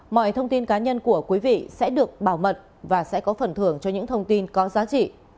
mọi thông tin cá nhân của quý vị sẽ được bảo mật và sẽ có phần thưởng cho những thông tin có giá trị